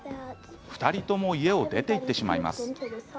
２人とも家を出て行ってしまいます。